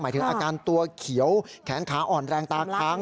ถึงอาการตัวเขียวแขนขาอ่อนแรงตาค้าง